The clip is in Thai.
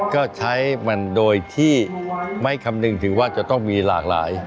ก็ใช้มันโดยที่ไม่คำนึงถึงว่าจะต้องมีหลากหลาย